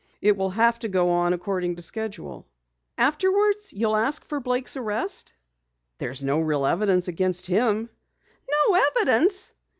"It will have to go on according to schedule." "Afterwards you'll ask for Blake's arrest?" "There's no real evidence against him." "No evidence!"